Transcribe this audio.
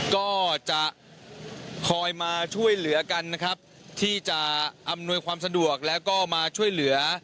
ก็จะคอยมาช่วยเหลือกันนะครับที่จะอำนวยความสะดวกแล้วก็มาช่วยเหลือ